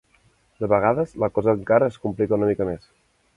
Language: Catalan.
De vegades la cosa encara es complica una mica més.